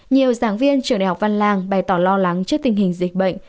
nhiều giảng viên trường đh văn làng bày tỏ lo lắng trước tình hình dịch bệnh